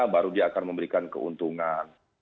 baru dia akan memberikan keuntungan